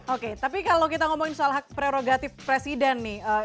oke tapi kalau kita ngomongin soal hak prerogatif presiden nih